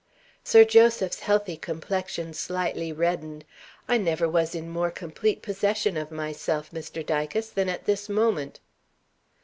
Sir Joseph's healthy complexion slightly reddened. "I never was in more complete possession of myself, Mr. Dicas, than at this moment."